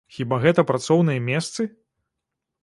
Хіба гэта працоўныя месцы?!